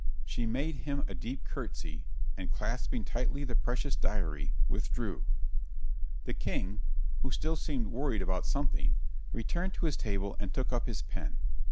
She made him a deep curtsey and, clasping tightly the precious diary, withdrew. The King, who still seemed worried about something, returned to his table and took up his pen.